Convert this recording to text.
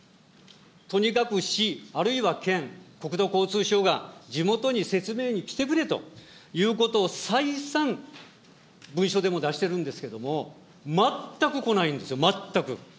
とにかく市、あるいは県、国土交通省が地元に説明に来てくれということを再三文書でも出してるんですけども、全く来ないんですよ、全く。